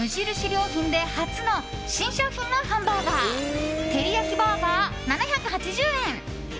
良品で初の新商品のハンバーガーてりやきバーガー、７８０円。